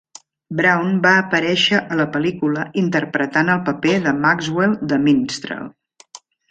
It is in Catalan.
Browne va aparèixer a la pel·lícula interpretant el paper de Maxwell The Minstrel.